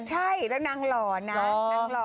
ใช่แล้วนางหล่อนะนางหล่อ